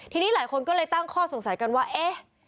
ทีนี้หลายคนก็เลยตั้งข้อสงสัยกันว่าเอ๊ะ